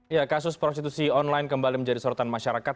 ya kasus prostitusi online kembali menjadi sorotan masyarakat